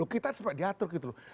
kita coba diatur gitu loh